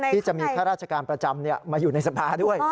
ที่จะมีข้าราชการประจำมาอยู่ในสภาด้วย